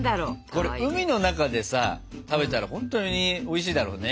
これ海の中でさ食べたらほんとにおいしいだろうね。